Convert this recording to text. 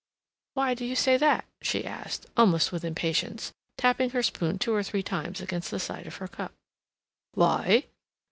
"Why do you say that?" she asked, almost with impatience, tapping her spoon two or three times against the side of her cup. "Why?"